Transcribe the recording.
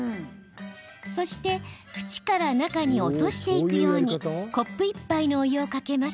そして、縁から中に落としていくようにコップ１杯のお湯をかけます。